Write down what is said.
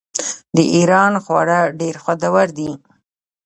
د ایران خواړه ډیر خوندور دي.